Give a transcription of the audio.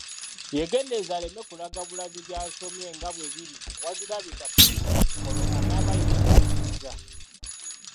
Yeegendereze aleme kulaga bulazi bya’somye nga bwe biri wazira abitapute; olwo anaaba yeekaliriza.